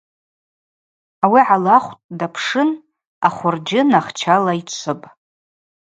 Ауи гӏалахвтӏ, дапшын – ахвырджьын ахчала йчвыпӏ.